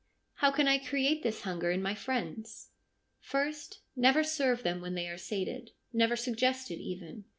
' How can I create this hunger in my friends ?'' First, never serve them when they are sated. Never suggest it even.